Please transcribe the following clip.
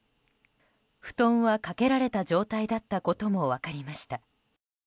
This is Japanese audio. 布団はかけられた状態だったことが分かりました。